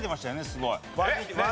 すごい。